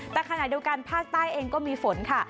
แต่ขณะเดียวกันภาคใต้เองก็มีฝนค่ะ